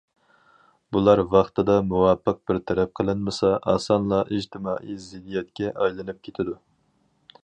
بۇلار ۋاقتىدا مۇۋاپىق بىر تەرەپ قىلىنمىسا، ئاسانلا ئىجتىمائىي زىددىيەتكە ئايلىنىپ كېتىدۇ.